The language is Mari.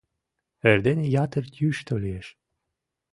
Эрдене ятыр йӱштӧ лиеш.